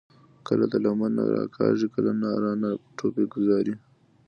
کله د لمن نه راکاږي، کله رانه ټوپۍ ګوذاري ـ